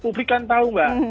publik kan tahu mbak